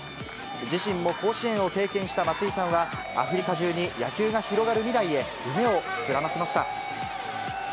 自身も甲子園を経験した松井さんは、アフリカ中に野球が広がる未来へ、夢を膨らませました。